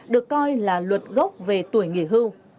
được coi là luật gốc về tuổi nghỉ hưu